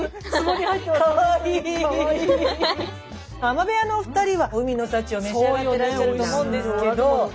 海女部屋のお二人は海の幸を召し上がってらっしゃると思うんですけど。